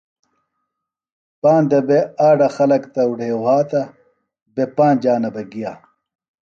پاندہ بےۡ آڈہ خلکہ تہ اُڈھیویۡ وھاتہ بےۡ پانج جانہ بہ گِیہ